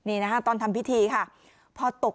หญิงบอกว่าจะเป็นพี่ปวกหญิงบอกว่าจะเป็นพี่ปวก